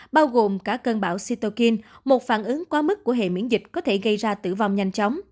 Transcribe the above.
bao gồm cả cơn bão sitokin một phản ứng quá mức của hệ miễn dịch có thể gây ra tử vong nhanh chóng